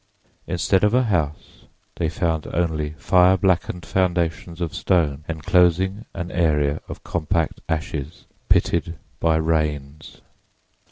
Instead of a house they found only fire blackened foundations of stone, enclosing an area of compact ashes pitted by rains.